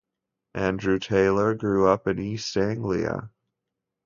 Andrew Taylor grew up in East Anglia.